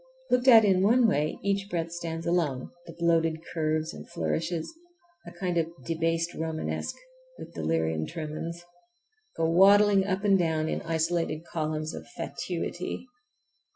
Looked at in one way each breadth stands alone, the bloated curves and flourishes—a kind of "debased Romanesque" with delirium tremens—go waddling up and down in isolated columns of fatuity.